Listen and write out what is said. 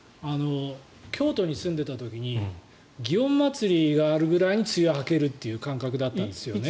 京都に住んでいた時に祇園祭があるぐらいに梅雨が明けるっていう感覚だったんですよね。